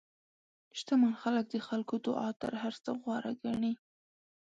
شتمن خلک د خلکو دعا تر هر څه غوره ګڼي.